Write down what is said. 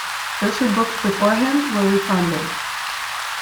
Those who booked beforehand were refunded.